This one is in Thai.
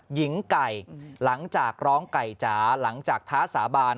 หญิงไก่หลังจากร้องไก่จ๋าหลังจากท้าสาบาน